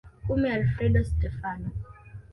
Kumi Alfredo Stefano